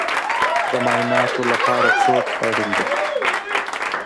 د معایناتو لپاره څوک اړین دی؟